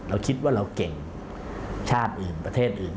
เราคิดว่าเราเก่งชาติอื่นประเทศอื่น